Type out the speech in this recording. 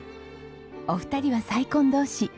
お二人は再婚同士。